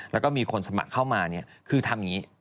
แล้วก็มีคนสมัครเข้ามาคือทำอย่างนี้